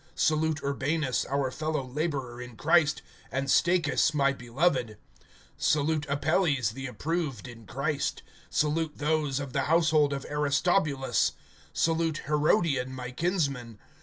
(9)Salute Urbanus, our fellow laborer in Christ, and Stachys my beloved. (10)Salute Apelles, the approved in Christ. Salute those of the household of Aristobulus. (11)Salute Herodion my kinsman.